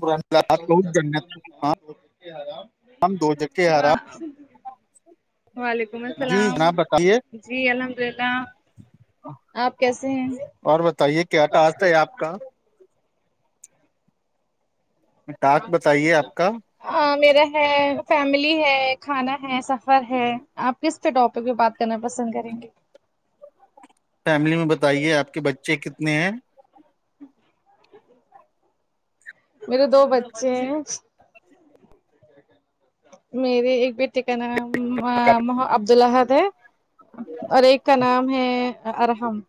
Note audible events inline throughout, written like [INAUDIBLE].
بہت جنت [UNINTELLIGIBLE] ہم دو چگ کے حرام وعلیکم السلام بتائیے جی الحمد للہ آپ کیسے ہیں اور بتائیے کیا ٹاسک ہے آپ کا ٹاپک بتائیے آپ کا میرا ہے فیملی ہے کھانا ہے سفر ہے آپ کس پے ٹاپک پے بات کرنا پسند کریں گے فیملی میں بتائیے آپ کے بچے کتنے ہیں میرے دو بچے ہیں میرے ایک بیٹے کا نام عبد الحد ہے اور ایک کا نام ہے ارحم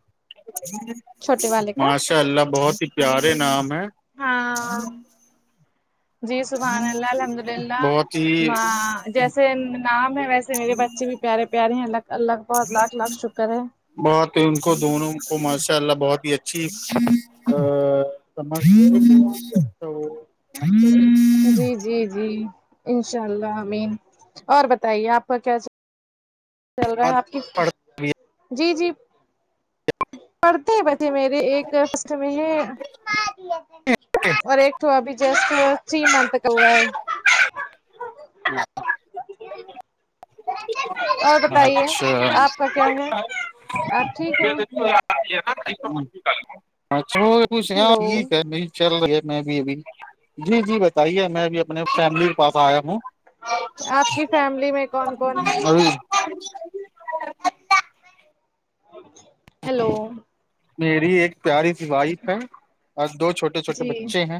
چھوٹے والے کا ماشاء اللہ بہت ہی پیارے نام ہے ہاں جی سبحان اللہ الحمد بہت ہی للہ جیسے نام ہے ویسے میرے بچے بھی پیارے پیارے ہیں اللہ کا بہت لاکھ لاکھ شکر ہے بہت ہی ان کو دونوں کو ماشاء اللہ بہت ہی اچھی [UNINTELLIGIBLE] جی جی جی انشاء اللہ امین اور بتائیے آپ کا کیا چل چل رہا ہے آپ کس [INAUDIBLE] جی جی پڑھتے ہیں بچے میرے ایک تو میں یہ اور ایک تو ابھی جیسٹ ہے تھری منتھ کا ہوا ہے اور بتائیے اچھا آپ کا کیا ہے آپ ٹھیک ہے [UNINTELLIGIBLE] خوش ہیں اپ ہیلو ٹھیک ہے نہیں چل رہی ہے میں بھی ابھی جی جی بتائیے میں اب فیملی کے پاس آیا ہوں آپ کی فیملی میں کون کون ہے اور ہیلو میری ایک پیاری سی وائف ہے اور دو چھوٹے چھوٹے جی بچے ہیں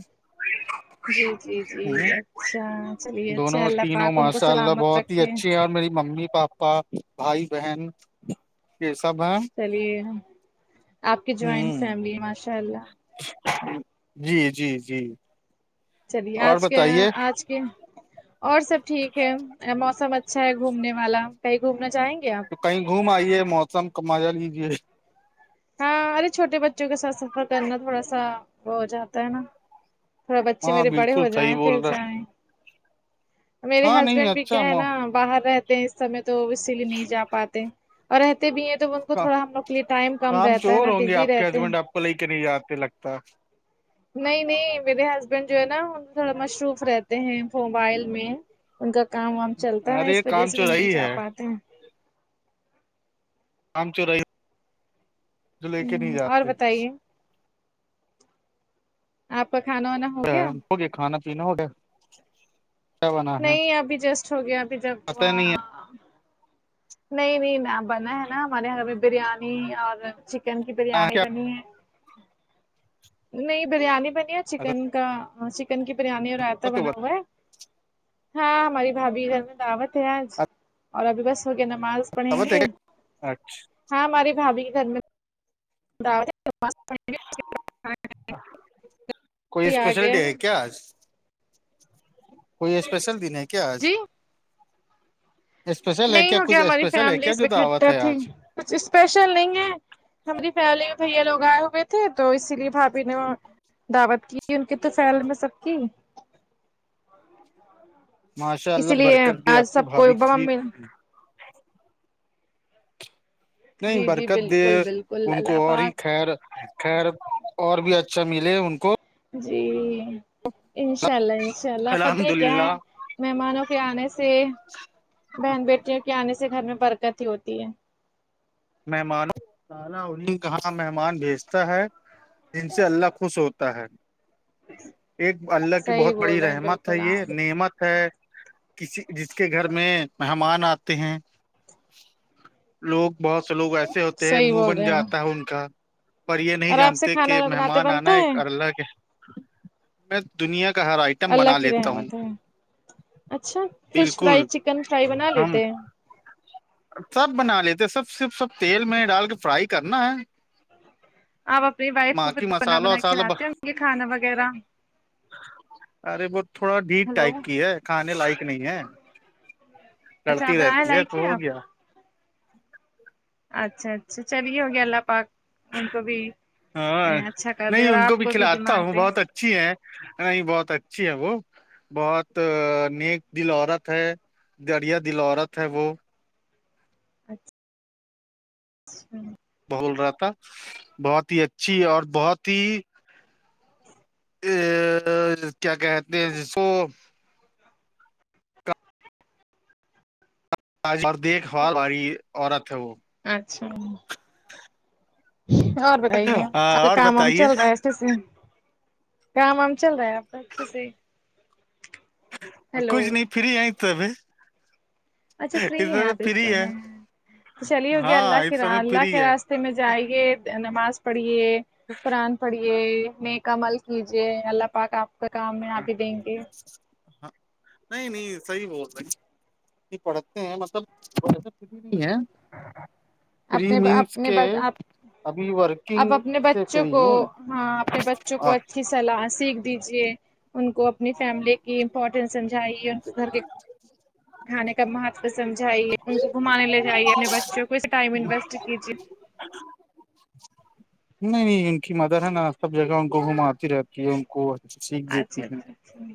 جی جی جی ہوں، اچھا چلیے اچھا دونوں اللہ تینوں پاک ان کو ماشاء اللہ سلامت رکھ بہت اچھی ہیں اور میری ممی پاپا بھائی بہن یہ سب ہیں چلیے آپ کی جوائنٹ ہ فیملی ماشاء اللہ جی جی جی چلیے اور آج کیا بتائیے آج کے اور سب ٹھیک ہے موسم اچھا ہے گھومنے والا کہیں گھومنا چاہیں گے آپ تو کہیں گھوم آئیے موسم کا مزہ لیجیے ہاں ارے چھوٹے بچوں کے ساتھ سفر کرنا تھوڑا سا وہ ہو جاتا ہے نا تھوڑا بچے ہاں میرے بڑے بالکل ہو صحیح جائیں پھر بول رہا جائیں میرے ہاں نہیں ہسبینڈ بھی اچھا کیا ہے نا باہر رہتے ہیں اس سمے تو اسی لیے نہیں جا پاتے اور رہتے رہتے بھی ہیں تو ان کو کا تھوڑا ہم لوگ کے لیے ٹائم کم کام رہتا ہے چور نا ہوں گے بزی اپ کے رہتے ہیں ایجنڈ اپ کو لے کے نہیں جاتے لگتا ہے نہیں نہیں میرے ہسبینڈ جو ہے نا تھوڑا مصروف رہتے ہیں موبائل میں ان کا کام وام چلتا ہے نا ارے یہ اس وجہ کام سے وہ نہیں چورائی جا ہے پاتے ہیں کام چور ہے جو ہ لے کے نہیں اور جاتے بتائیے آپ کا کھانا وانا ہو گیا ہو گیا کھانا پینا ہو گیا کیا بنا ہے نہیں ابھی جسٹ ہو گیا ابھی جب پت نہیں وہاں نہیں نہیں بنا ہے نا ہمارے یہاں ابھی بریانی اور چک چکن کی ہے بریانی کیا بنی ہے نہیں بریانی بنی ہے چکن کا چکن کی بریانی اور رائتا تو بنا بت ہوا ہے ہاں ہماری بھاابھی گھر میں دعوت ہے آج اور ابھی بس ہو نماز پڑھیں گے ہاں ہماری بھابھی کے گھر میں [UNINTELLIGIBLE] کوئی کے لیے آ اسپیشل ڈ گیا ہے کیا آج کوئی اسپیشل دن ہے کیا آج جی اسپیشل ہے نہیں کیا ہو کچھ گیا ہماری اسپیشل ہے فیملی کیا جو دعوت اکٹھا ہے تھی آج کچھ اسپیشل نہیں ہے ہماری فیملی میں بھیا لوگ آئے ہوئے تھے تو اسی لیے بھابھی نے دعوت کی ان کے تو خیال میں سب کی ماشاء اللہ اسی لیے برکت دے آج آپ کی سب کو بھابی کی ممی نہیں جی جی برکت دے بالکل بالکل ان کو اللہ اور ہی پاک خیر خیر اور بھی اچھا ملے ان کو جی انشاء اللہ انشاء اللہ پت الحمد ہے کیا ہے للہ مہمانوں کے آنے سے بہن بیٹیوں کے آنے سے گھر میں برکت ہی ہوتی ہے مہمانوں کو تعالی انہیں کہاں مہمان بھیجتا ہے جن سے اللہ خوش ہوتا ایک اللہ کی صحیح بہت بول بڑی رہے ہیں رحمت ہے بالکل یہ آپ نعمتظ ہے کسی جس کے گھر میں مہمان آتے ہیں لوگ بہت سے لوگ ایسے ہوتے ہیں صحیح منہ بول بن رہے ہیں جاتا ہے ان کا پر یہ نہیں اور آپ سے جانتے کھانا کہ وانا بناتے مہمان بنتا آنا ہے ایک اللہ کے میں دنیا کا ہر آئٹ اللہ کی رحمت ہے اچھا فش فرائی بالکل چکن فرائی بنا ہم لیتے ہیں سب بنا لیتے سب صرف سب تیل میں ڈال کے فرائی کرنا ہے آپ اپنی وائف کو ماں پھر کی بنا مسالہ بنا کے وسالہ کھلاتے ہیں یہ کھانا وغیرہ ارے وہ تھوڑا ڈیٹ ہلو ٹائپ کی ہے کھانے لائق نہیں ہے اچھا آپ بنائے لائق ہیں آپ [UNINTELLIGIBLE] اچھا اچھا چلیے ہو گیا اللہ پاک ان کو بھی ہاں اچھا کر دے نہیں اور ان آپ کو بھی کھلاتا دماغ ہوں دے بہت اچھی ہے نہیں بہت اچھی ہے وہ بہت نیک دل عورت ہے دریا دل عورت ہے وہ اچھا [UNINTELLIGIBLE] بول رہا تھا بہت ہی اچھی اور بہت ہی ا کیا کہتے ہیں جس اور دیکھ بھال والی عورت ہے وہ اچھا [INAUDIBLE] اور ہاں بتائیے اور کام وام بتائیے چل رہا ہے اچ سے کام وم چل رہا ہے آپ اچھا سے ہیلو کچھ نہیں فری آئی تو اب اچھا فری ہیں آپ اس ہے سمے چلے ہو گی اللہ ہاں کے اس سمے اللہ فری کے ہے راستے رتے میں جائیے نماز پڑھیے [UNINTELLIGIBLE] [UNINTELLIGIBLE] ہاں نہیں نہیں صحی بول رہہے ہیں پڑھتے ہیں مطلبس نہیں ہے فری اپنے بس مینس اپنے کے اب ابھی اب ورکنگ اپنے سے بچوں فری کو ہوں ہاں اپنے بچوں کو اچھا کی سلاح سیکھ دیجے ان کو اپنی فیملی کی امپورٹینس سمجھائیے ان کو گھر کے کھانے کا مہتو سمجھائیے ان کو گھمانے لے جائیے اپنے بچوں کو ٹائم انویسٹ کیجیے نہیں نہیں ان کی مدر ہے نا سب جگہ ان کو گھماتی رہتی کہ ان کو ا سیکھ دیتی اچھا ہیں اچھا اچھا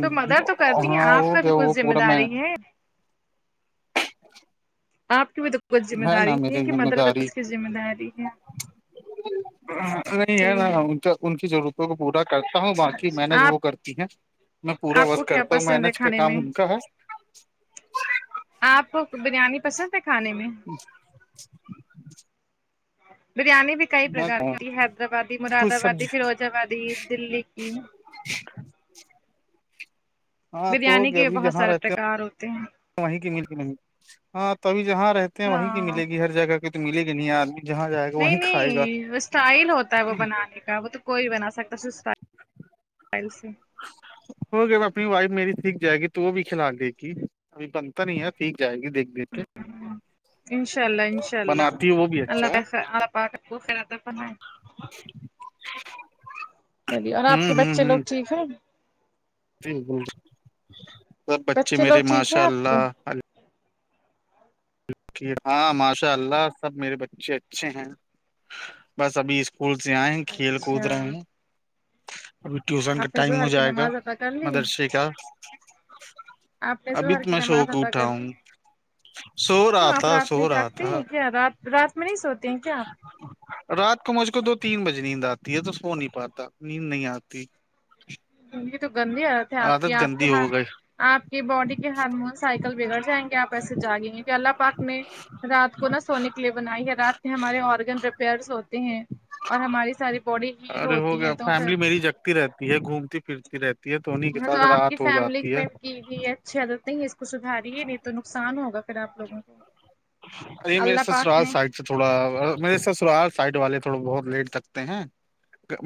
تو مدر تو کرتی ہیں ہاں آپ وہ کا کیا بھی کچھ وہ ذمہ پورا م داری ہے آپ کی میں دک وہ ذمہ نا داری میری ہے کہ ذمہ مدر داری وس کی ذمہ داری ہے نہیں ہے نا چلیے ان ان کی ضرورت پورا کرتا ہوں باقی محنج اچھا وہ کرتی ہیں میں آپ پورا آپ وقت کو کیا کرتا ہوں میںین پسند ہے ایج کا کھانے کام میں ان کا ہے آپ کو بریانی پسند ہے کھانے میں [INAUDIBLE] بریانی بھی کئی میں پرکار کی ہوتی ہے حیدرآبادی مراد کچھ آبادی سبزی فیروز آبادی دلی کی [INAUDIBLE] ہاں تو ہو بریانی گیا کے ابھی بہت جہاں سارے رہتے پرکار ہوتے ہیں ہو وہیں کی مل گی نہیں ہاں تبھی جہاں رہتے ہیں وہیں کی ہاں ملے گی ہر جگہ کی تو ملے گی نہیں آدمی جہاں جائے گا نہیں وہیں کھائے گا نہیں وہ اسٹائل ہوتا ہے وہ بنانے کا وہ تو کوئی بنا سکتا س اسل سے ہو گیا ا اپنی وائف میری ٹھیک جائے گی تو وہ بھی کھلا دے گی ابھی بند ا نہیں ہے ٹھیک جائے گی دیکھ دیکھ کے انشاء اللہ انشاء اللہ بناتی ہے وہ بھی اللہ اچھا ہے [INAUDIBLE] چلی اور آپ کے ہوں بچے لوگ ٹھیک ہیں جی سب بچے لوگ میرے ٹھیک ہیں ماشاء آپ کے اللہ ہاں ماشاء اللہ سب میرے بچے اچھے ہیں بس ابھی اسکول سے آئے ہیں کھیل کود اچھا رہے ہیں ابھی ٹیوشن کا آپ نے ٹائم ہو ظہر کی جائے گا نماز ادا کر لی مدرس ڈے کا آپ نے ابھی ظہر تو کی میں نماز شوق ادا اٹھا کر ہوں لی سو رہا کیوں آپ تھا رات سو میں رہا جاگتے تھا ہیں کیا رات رات میں نہیں سوتے ہیں کیا آپ رات کو مجھ کو دو تین بجے نیند آتی ہے تو سو نہیں پاتا نیند نہیں آتی یہ تو گندی حالت ہے آپ کی عادت آپ کے گندی یہاں ہو گئی آپ کی باڈی کے ہارمون سائیکل بگڑ جائیں گے آپ ایسے جاگیں گے کہ اللہ پاک میں رات کو نہا سونے کے لیے بنائی ہے رات میں ہمارے آرگن ریپیئرس ہوتے ہیں اور ہماری ساری باڈی ہیل ارے ہو ہوتی ہے گیا تو پھر فیملی میری جگتی رہتی ہے گھوم پھرتی رہتی ہے انہیں کے ہاں تو ساتھ آپ کی رات ہو فیملی جاتی ہے میں کی بھی ہے اچ عدتیں ہیں اس کو سدھاریے نہیں تو نقصان ہوگا پھر آپ لوگوں کو ا میرے اللہ پاک سسرال نے س تھوڑا میرے س سرال سائٹ والے تھوڑا بہت لیٹ تکتے ہیں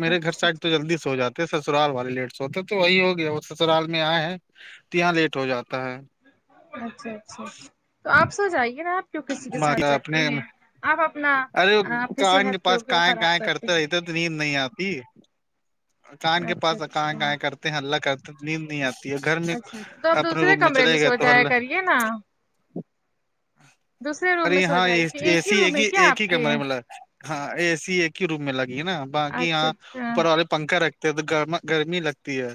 میرے گھر سے اچھا آج تو جلدی سے ہو جاتا تو سسرال والے لیٹ س ہوتے تو وہی ہو گیا وہ سسرال میں آئے ہیں تو یہاں لیٹ ہو جاتا ہے اچھا اچھا اچھا تو آپ سو جائیے نا آپ کی کسی کے ماں ساتھ کا جگتے اپنے ہیں آپ اپنا ارے آپ وہ کی کان کے صحت کی پاس کی کائیں خراب کائیں کرتے ہیں رہتے نیند نہیں آتی کان کے اچھا پاس کیں اچھا کیں کرتے ہیں اللہ کرتے نیند نہیں آتی گھر میں اچھا اچھا تو آپ اپنے دوسرے روم میں کمرے چلے گئے سو تو ہلہ [INAUDIBLE] دوسرے روم ارے میں سو یہاں جائیے کہ اے سی ایک روم ہے ہی کیا ایک آپ ہی کے کمرہ ہے مطلب ہاں اے سی ایک ہی روم میں لگی ہے نا باقی اچھا یہاں اوپر اچھا والے پنکھا رکھتے ہیں تو گرما گرمی لگتی ہے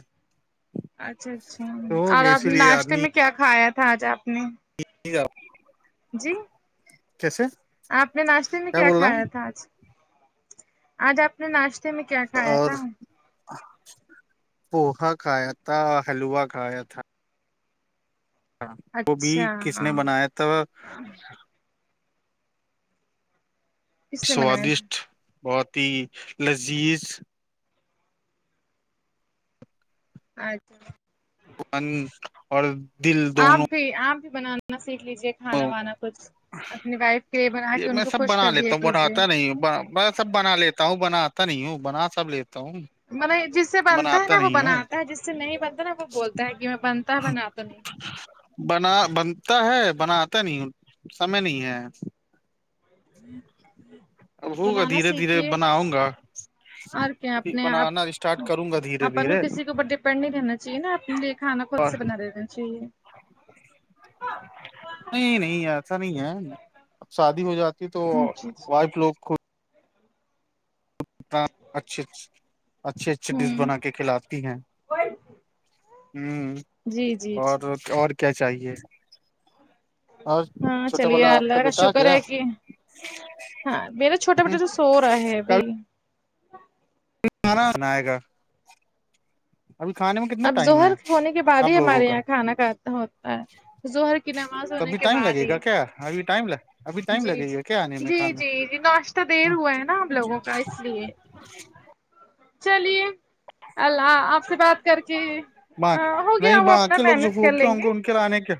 اچھا اچھا تو ہو اور گیا آپ اسی لیے ناشتے آدمی میں کیا کھایا تھا آج آپ نے [UNINTELLIGIBLE] جی کیسے آپ نے ناشتے میں کیا بول کھایا رہا تھا آج آج آپ نے ناشتے میں کیا کھایا اور تھا پوہا کھایا تھا حلوا کھایا تھا وہ بھی اچھا کس نے بنایا تھا کس نے بنایا سوادشٹ بہت ہی لذیذ اچھا پن اور دل دونوں آپ بھی بنانا سیکھ لیجیے کھانا وانا کچھ اپنی وائف کے لیے بنا یہ کے ان میں کو سب خوش بنا کر دیا لیتا ہوں کیجے بناتا نہیں با بس سب بنا لیتا ہوں بنا آتا نہیں ہوں بنا سب لیتا ہوں مل جس سے بنتا ہے بناتا نا وہ نہیں ہوں بناتا ہے جس سے نہیں بنتا نا وہ بولتا ہے کہ میں بنتا ہے بناتا تو نہیں بنا بنتا ہے بن آا نہیں سمے نہیں ہے [INAUDIBLE] اب ہوگا بنانا دھیرے دھیرے سیکھیے بناؤں گا اور کیا اپنے آپ بنانا اسٹارٹ کروں گا دھیرے دھیرے پ نہیں رہنا چاہیے نا اپنے لیے کھانا خود اور سے بناے رہینا چاہیے نہیں نہیں ایسا نہیں ہے اب شادی ہو جاتی تو جی جی وائف لوگ اچ اچھے اچھے ڈس ہوں بنا کے کھلاتی ہیں ہمم جی جی اور جی اور کیا چاہیے اور ہاں چھوٹا چلیے والا آپ اللہ کا بیٹا آ شکر گیا ہے کہ ہاں میرا چھوٹا ہ بیٹا تو سو رہا ہے ابھی کانا بئے گا اب کھانے میں کتنا اب ٹائم ظہر ہے ہونے کے بعد آپ ہی لوگوں ہمارے کا یہاں کھانا کھاتا ہوتا ہے ہر کی نماز ہونے تبھی کے ٹائم بعد لگے ہی گا کیا ابھی ٹائم ابھی ٹائم جی لگے گا کیا آنے جی میں جی کھانا جی جی ناش دیر ہوا ہے نا ہم لوگ کا اس لی چلیے اللہ آپ سے بات کر کے باں ہو گیا وہ اپنا مینج کر لیں گے کلانے کیا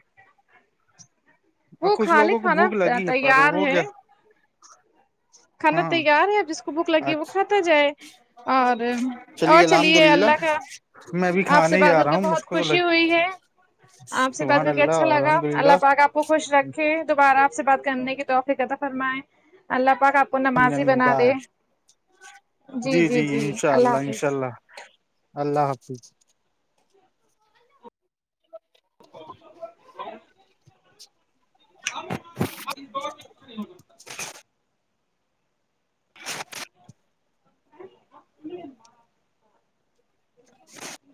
اور وہ کچھ کھا لے لوگوں کو کھانا بھوک لگی ہے پر تیار ہو ہے گیا کھانا ہاں تیار ہے اب جس کو بھوک لگی وہ اچھا کھاتا جائے اور اور الحمد چلیے للہ اللہ کا میں ابھی آپ کھانے سے ہی بات جا کر رہا کے ہوں مجھ بہت کو تو خوشی لگ ہوئی ہے آپ سے بات سبحان کر کے اللہ اچھا لگا الحمد اللہ للہ پاک کو خوش رکھے دوبارہ آپ سے بات کرنے کی تو فیک عطا فرمائیں اللہ پاک کو نمازی بنا بائے دے جی جی انشاء اللہ انشاء اللہ اللہ حافظ [INAUDIBLE] [UNINTELLIGIBLE] جی [INAUDIBLE]